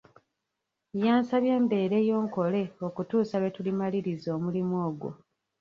Yansabye mbeereyo nkole okutuusa lwe tulimaliriza omulimu ogwo.